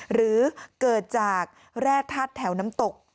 หรือเกิดจากแร่ธาตุแถวน้ำตก